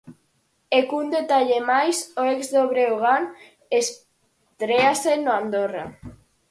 E cun detalle máis: o ex do Breogán estréase no Andorra.